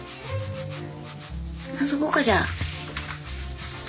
遊ぼっかじゃあ。